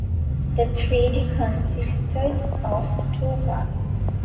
The treaty consisted of two parts.